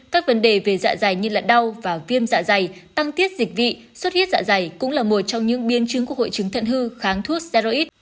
các vấn đề về dạ dày như là đau và viêm dạ dày tăng tiết dịch vị suất hiết dạ dày cũng là một trong những biên chứng của hội chứng thận hư kháng thuốc steroid